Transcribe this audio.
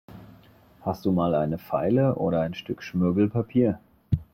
Hast du mal eine Feile oder ein Stück Schmirgelpapier?